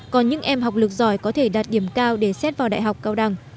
còn những em học lực giỏi có thể đạt điểm cao để xét vào đại học cao đẳng